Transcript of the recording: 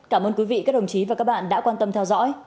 cảm ơn quý vị các đồng chí và các bạn đã quan tâm theo dõi